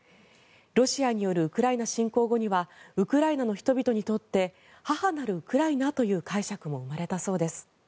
ロシアによるウクライナ侵攻後にはウクライナの人々にとって「母なるウクライナ」という解釈も生まれたそうです。